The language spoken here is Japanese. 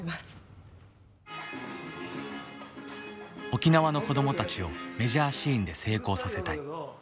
沖縄の子どもたちをメジャーシーンで成功させたい。